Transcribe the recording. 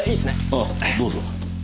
ああどうぞ。